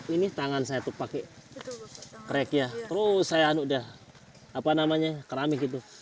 ini tangan saya itu pakai krek ya terus saya anu udah apa namanya keramik gitu